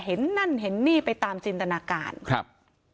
เห็นนั่นเห็นนี่ไปตามจินตนาการครับ